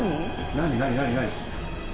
何何何何？